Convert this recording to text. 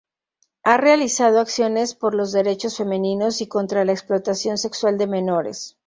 Ha realizado acciones por los derechos femeninos, y contra la explotación sexual de menores.